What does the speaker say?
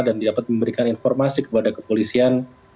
dan dapat memberikan informasi kepada kepolisian